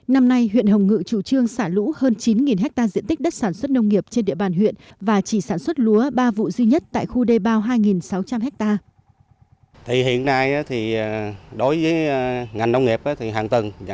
năm nay huyện hồng ngự chủ trương xả lũ hơn chín hectare diện tích đất sản xuất nông nghiệp trên địa bàn huyện và chỉ sản xuất lúa ba vụ duy nhất tại khu đề bao hai sáu trăm linh hectare